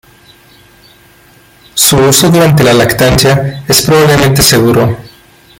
Su uso durante la lactancia es probablemente seguro.